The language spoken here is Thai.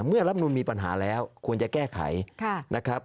เมื่อรับนูลมีปัญหาแล้วควรจะแก้ไขนะครับ